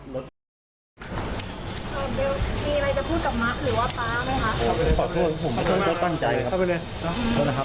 แล้วยังไม่รู้ว่าเขาตายครับ